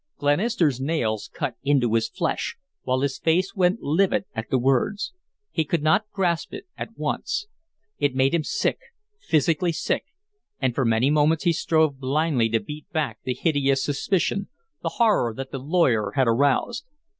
Glenister's nails cut into his flesh, while his face went livid at the words. He could not grasp it at once. It made him sick physically sick and for many moments he strove blindly to beat back the hideous suspicion, the horror that the lawyer had aroused.